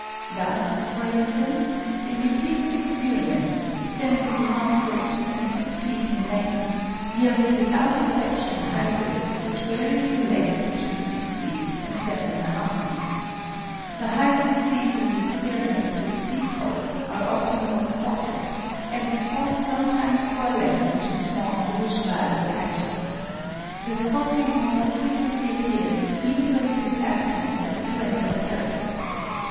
Thus, for instance, in repeated experiments, stems of 1 ft. and 6 ft. in length yielded without exception hybrids which varied in length between 6 ft. and 1\ ft. 1 [Gartner, p. 223.] APPENDIX 321 The hybrid seeds in the experiments with seed coat are often more spotted, and the spots sometimes coalesce into small bluish violet patches. The spotting also frequently appears even when it is absent as a parental character.